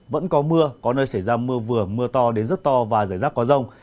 vẫn có mưa có nơi xảy ra mưa vừa mưa to đến rất to và rải rác có rông